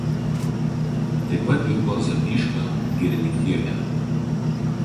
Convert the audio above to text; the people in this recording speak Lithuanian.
Taip pat dirbo Zapyškio girininkijoje.